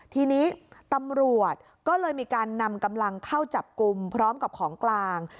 ทีนี้ตำรวจก็เลยมีการนำกำลังเข้าจับกลุ่มพร้อมกับของกลาง